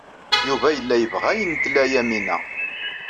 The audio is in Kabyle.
Yuba yella yebɣa ayen tla Yamina.